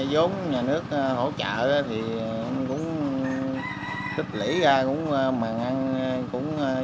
vốn nhà nước hỗ trợ thì em cũng tích lĩ ra cũng mừng ăn